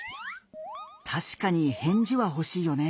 たしかに返事はほしいよね。